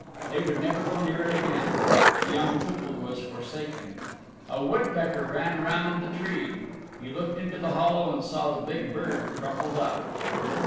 They would never go near it again. The young cuckoo was forsaken. A woodpecker ran round the tree. He looked into the hollow and saw the big bird crumpled up.